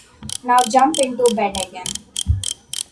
Now jump into bed again.